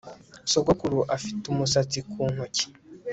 sogokuru afite umusatsi ku ntoki